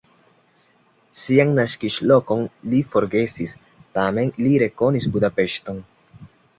Sian naskiĝlokon li forgesis, tamen li rekonis Budapeŝton.